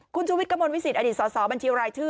คุณชู่วิตกมนตร์วิสิตอสบัญชีรายเทือ